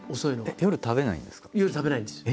夜食べないんです。